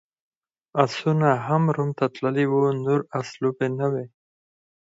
اسونه هم روم ته تللي وو، نور اس لوبې نه وې.